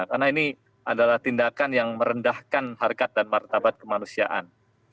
karena ini adalah tindakan yang merendahkan harga dan martabat kemanusiaan